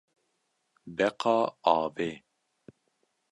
Beqa avê